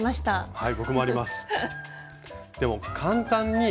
はい。